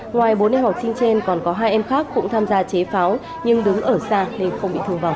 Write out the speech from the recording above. ngoài bốn em học sinh trên còn có hai em khác cũng tham gia chế pháo nhưng đứng ở xa nên không bị thương vọng